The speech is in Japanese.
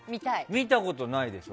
見たことないです